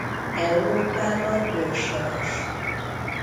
Európában őshonos.